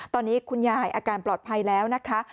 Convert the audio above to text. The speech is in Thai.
ตอนนี้คุณยายอาการปลอดภัยแล้วนะคะ